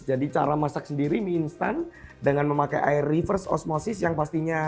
jadi cara masak sendiri mie instan dengan memakai air reverse osmosis yang pastinya